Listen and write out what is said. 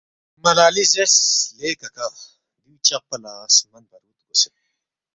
ملا علی زیرس لے کاکا دیو چقپا لا سمن بارود رگوسید